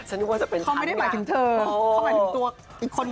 เธอไม่ได้หมายถึงเธอเธอหมายถึงตัวอีกคน